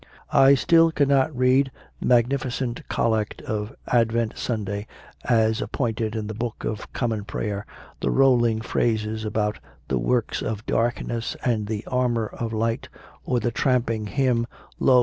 I still cannot read the magnifi cent collect for Advent Sunday, as appointed in the Book of Common Prayer the rolling phrases 34 CONFESSIONS OF A CONVERT about the "works of darkness" and the "armour of light/ or the tramping hymn, "Lo!